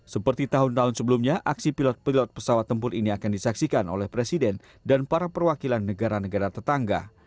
seperti tahun tahun sebelumnya aksi pilot pilot pesawat tempur ini akan disaksikan oleh presiden dan para perwakilan negara negara tetangga